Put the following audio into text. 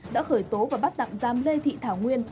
đã khởi tố và bắt tạm giam lê thị thảo nguyên